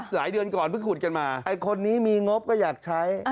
หลายเดือนก่อนเพิ่งขุดกันมาไอ้คนนี้มีงบก็อยากใช้